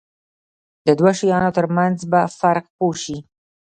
د دوو شیانو ترمنځ په فرق پوه شي.